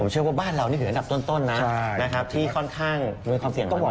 เชื่อว่าบ้านเรานี่คืออันดับต้นนะที่ค่อนข้างมีความเสี่ยง